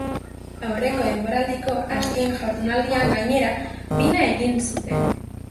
Aurreko denboraldiko azken jardunaldian, gainera, bina egin zuten.